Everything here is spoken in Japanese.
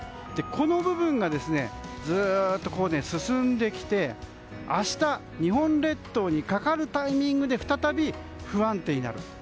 この部分がずっと進んできて明日日本列島にかかるタイミングで再び不安定になる。